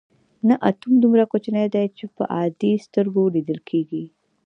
نه اتوم دومره کوچنی دی چې په عادي سترګو نه لیدل کیږي.